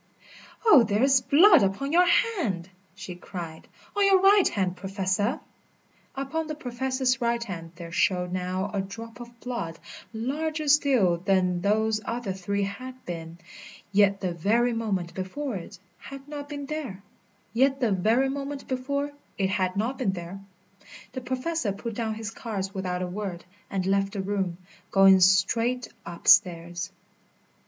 "Oh, there is blood upon your hand," she cried, "on your right hand, Professor!" Upon the Professor's right hand there showed now a drop of blood, larger still then those other three had been. Yet the very moment before it had not been there. The Professor put down his cards without a word, and left the room, going straight upstairs.